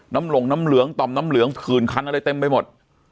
หลงน้ำเหลืองต่อมน้ำเหลืองผื่นคันอะไรเต็มไปหมด